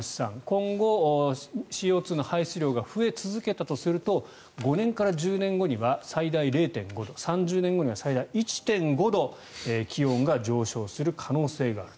今後、ＣＯ２の排出量が増え続けたとすると５年から１０年後には最大０．５度３０年後には最大１．５度気温が上昇する可能性がある。